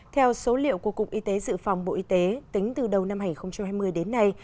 theo số liệu của cục y tế dự phòng bộ y tế tính từ đầu năm hai nghìn hai mươi đến nay